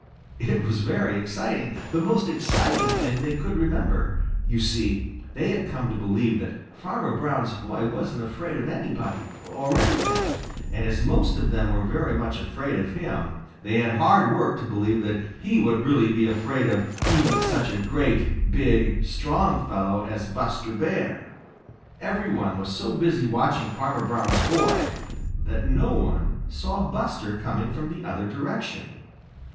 It was very exciting, the most exciting thing they could remember. You see, they had come to believe that Farmer Brown's boy wasn't afraid of anybody or anything, and as most of them were very much afraid of him, they had hard work to believe that he would really be afraid of even such a great, big, strong fellow as Buster Bear. Every one was so busy watching Farmer Brown's boy that no one saw Buster coming from the other direction.